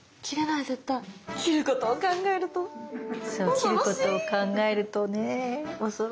切ることを考えると恐ろしい。